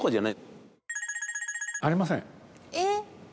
えっ！